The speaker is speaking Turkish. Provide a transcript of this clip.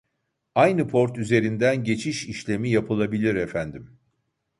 Aynı port üzerinden geçiş işlemi yapılabilir efendim.